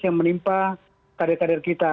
yang menimpa kader kader kita